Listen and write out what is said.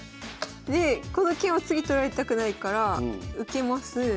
でこの桂馬次取られたくないから受けます。